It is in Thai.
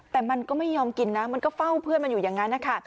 แต่มันก็ไม่ยอมกินนะมันก็เฝ้าเพื่อนมันอยู่อย่างนั้นนะคะ